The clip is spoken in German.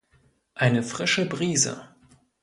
Eine frische Brise.